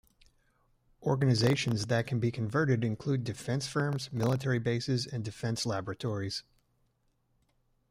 Organizations that can be converted include defense firms, military bases, and defense laboratories.